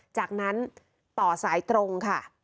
จากนั้นต่อสายตรงค่ะ